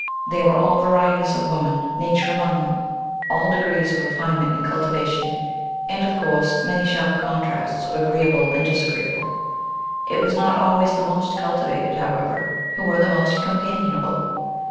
There were all varieties of woman nature among them, all degrees of refinement and cultivation, and, of course, many sharp contrasts of agreeable and disagreeable. It was not always the most cultivated, however, who were the most companionable.